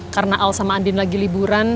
karena al sama andin lagi liburan